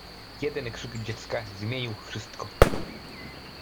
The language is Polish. Jeden krzyk dziecka zmienił wszystko.